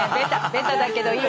ベタだけどいい。